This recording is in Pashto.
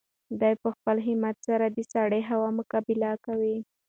دی په خپل همت سره د سړې هوا مقابله کوي.